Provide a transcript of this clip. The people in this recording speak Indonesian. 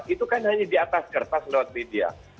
itu kan hanya di atas kertas lewat media